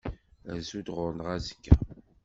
Rzu-d ɣur-neɣ azekka.